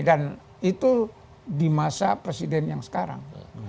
dan itu di masa presiden yang sekarang